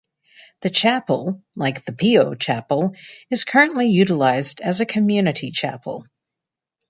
The chapel, like the Pio chapel, is currently utilized as a community chapel.